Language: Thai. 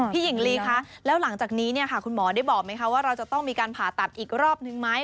หญิงลีคะแล้วหลังจากนี้เนี่ยค่ะคุณหมอได้บอกไหมคะว่าเราจะต้องมีการผ่าตัดอีกรอบนึงไหม